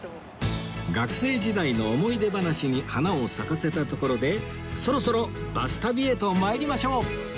学生時代の思い出話に花を咲かせたところでそろそろバス旅へと参りましょう